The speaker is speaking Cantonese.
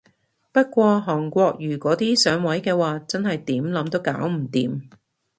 不過韓國瑜嗰啲上位嘅話真係點諗都搞唔掂